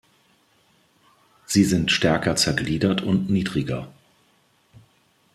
Sie sind stärker zergliedert und niedriger.